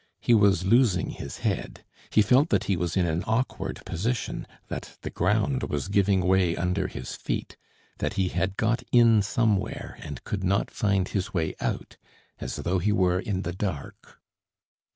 He was losing his head; he felt that he was in an awkward position, that the ground was giving way under his feet, that he had got in somewhere and could not find his way out, as though he were in the dark.